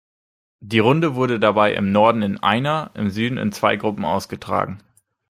Die Runde wurde dabei im Norden in einer, im Süden in zwei Gruppen ausgetragen.